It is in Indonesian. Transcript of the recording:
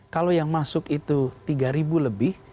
kalau yang masuk itu tiga lebih